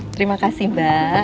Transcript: terima kasih mbak